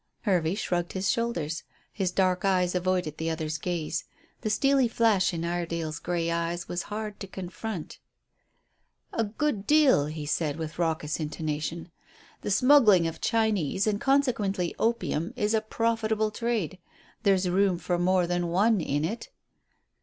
Hervey shrugged his shoulders. His dark eyes avoided the other's gaze; the steely flash in Iredale's grey eyes was hard to confront. "A good deal," he said, with raucous intonation. "The smuggling of Chinese and consequently opium is a profitable trade. There's room for more than one in it."